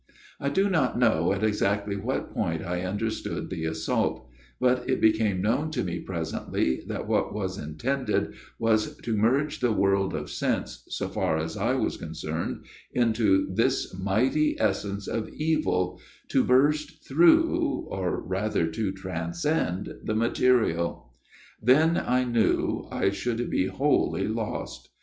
" I do not know at exactly what point I under stood the assault : but it became known to me presently that what was intended was to merge the world of sense, so far as I was concerned, into this mighty essence of evil to burst through, or rather to transcend the material. Then, I knew, I should be wholly lost.